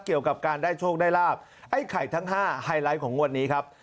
เกี่ยวกับการได้โชคได้ลาบไอ้ไข่ทั้ง๕ไฮไลท์ของงวดนี้ครับ